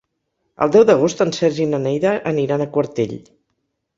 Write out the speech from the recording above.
El deu d'agost en Sergi i na Neida aniran a Quartell.